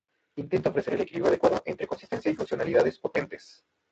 Intenta ofrecer el equilibrio adecuado entre consistencia y funcionalidades potentes.